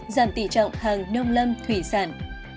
giảm tỷ trọng hàng nông lâm thủy sản